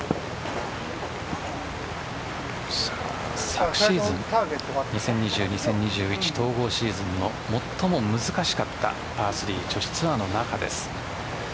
昨シーズン２０２０、２０２１の統合シーズンの最も難しかったパー３。女子ツアーの中です。